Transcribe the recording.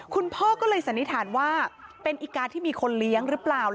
คุณพ่อก็เลยสันนิษฐานว่าเป็นอีกาที่มีคนเลี้ยงหรือเปล่า